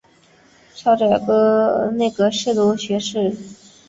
超擢内阁侍读学士。